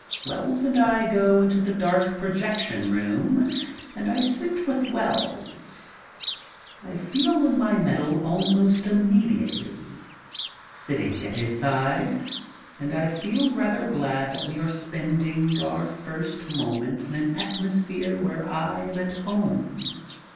Wells and I go into the dark projection room and I sit with Wells. I feel on my mettle almost immediately, sitting at his side, and I feel rather glad that we are spending our first moments in an atmosphere where I am at home.